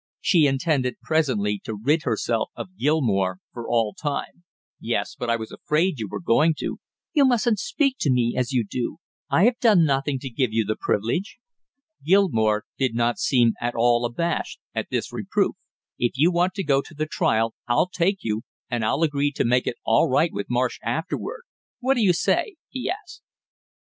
She intended presently to rid herself of Gilmore for all time. "Yes, but I was afraid you were going to." "You mustn't speak to me as you do; I have done nothing to give you the privilege." Gilmore did not seem at all abashed at this reproof. "If you want to go to the trial I'll take you, and I'll agree to make it all right with Marsh afterward; what do you say?" he asked.